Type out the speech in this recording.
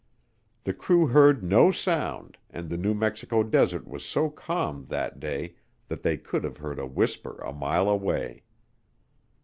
The crew heard no sound and the New Mexico desert was so calm that day that they could have heard "a whisper a mile away."